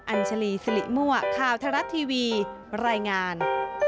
อัญชลีสิริมั่วข่าวทรัฐทีวีรายงาน